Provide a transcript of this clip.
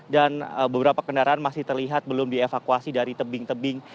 dan beberapa kendaraan masih terlihat belum dievakuasi dari tebing tebing